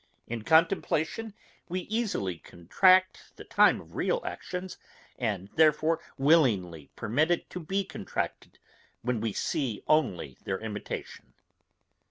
In contemplation we easily contract the time of real actions, and therefore willingly permit it to be contracted when we only see their imitation.